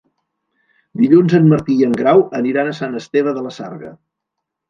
Dilluns en Martí i en Grau aniran a Sant Esteve de la Sarga.